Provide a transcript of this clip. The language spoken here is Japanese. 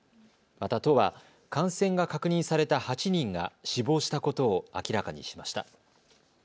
また都は感染が確認された８人が死亡したことを明らかにしました。